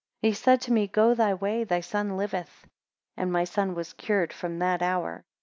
39 He said to me, Go thy way, thy son liveth. 40 And my son was cured from that hour.